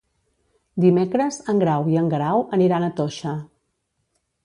Dimecres en Grau i en Guerau aniran a Toixa.